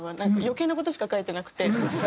余計な事しか書いてなくて。